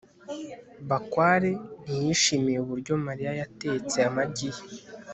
bakware ntiyishimiye uburyo mariya yatetse amagi ye